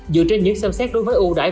dựa trên những xem xét đối với ưu đải